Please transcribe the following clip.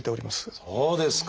そうですか！